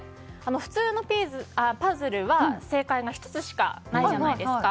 普通のパズルは正解は１つしかないじゃないですか。